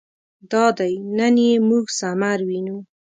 دادی نن یې موږ ثمر وینو.